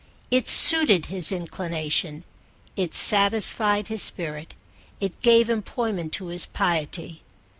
It suited his inclination, it satisfied his spirit, it gave employment to his piety.